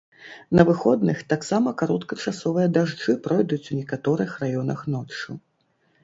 На выходных таксама кароткачасовыя дажджы пройдуць у некаторых раёнах ноччу.